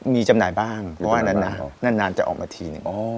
มีจำหน่ายบ้างเพราะว่านานจะออกมาทีหนึ่ง